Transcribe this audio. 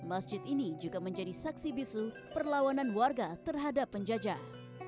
masjid ini juga menjadi saksi bisu perlawanan warga terhadap penjajah